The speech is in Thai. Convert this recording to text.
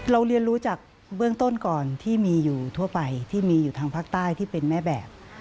เรียนรู้จากเบื้องต้นก่อนที่มีอยู่ทั่วไปที่มีอยู่ทางภาคใต้ที่เป็นแม่แบบ